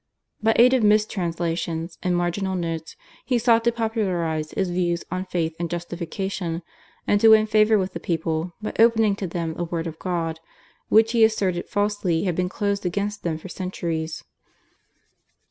By aid of mis translations and marginal notes he sought to popularise his views on Faith and Justification, and to win favour with the people by opening to them the word of God, which he asserted falsely had been closed against them for centuries.